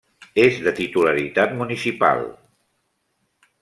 És de titularitat municipal.